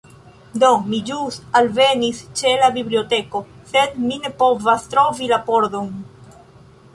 Do, mi ĵus alvenis ĉe la biblioteko sed mi ne povas trovi la pordon